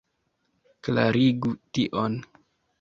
Klarigu tion.